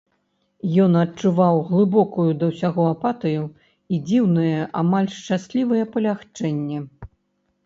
Ён адчуваў глыбокую да ўсяго апатыю і дзіўнае, амаль шчаслівае палягчэнне.